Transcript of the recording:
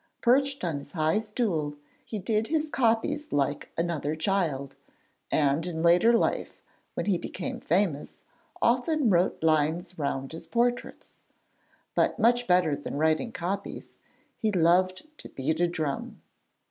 Perched on his high stool, he did his copies like another child, and in later life, when he became famous, often wrote lines round his portraits. But much better than writing copies, he loved to beat a drum.